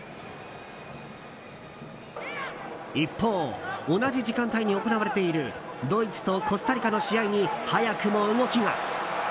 一方、同じ時間帯に行われているドイツとコスタリカの試合に早くも動きが。